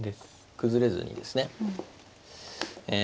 崩れずにですねえ